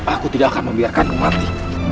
aku tidak akan membiarkanmu mati